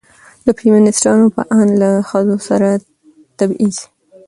د فيمينستانو په اند له ښځو سره تبعيض